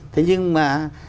thế nhưng mà